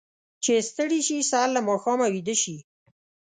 چې ستړي شي، سر له ماښامه اوده شي.